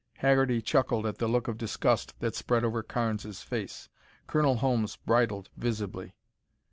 Haggerty chuckled at the look of disgust that spread over Carnes' face. Colonel Holmes bridled visibly.